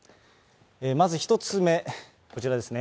まず１つ目、こちらですね。